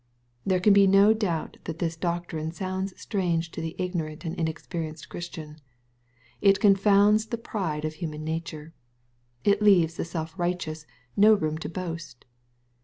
There can be no doubt that this doctrine sounds strange to the ignorant and inexperienced Christian. It con founds the pride of human nature. It leaves the self righteous no room to boast.